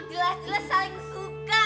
jelas jelas saling suka